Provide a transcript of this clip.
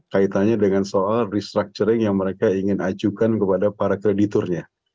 kaitannya dengan soal restructuring yang mereka ingin ajukan kepada para krediturnya